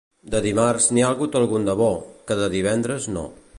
De dimarts, n'hi ha hagut algun de bo, que de divendres, no.